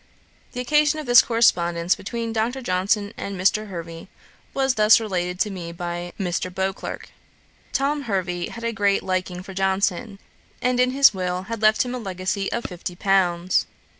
The occasion of this correspondence between Dr. Johnson and Mr. Hervey, was thus related to me by Mr. Beauclerk. 'Tom Hervey had a great liking for Johnson, and in his will had left him a legacy of fifty pounds.